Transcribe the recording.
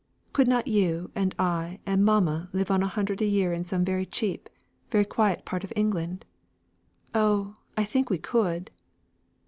Could not you, and I, and mamma live on a hundred a year in some very cheap very quiet part of England? Oh! I think we could."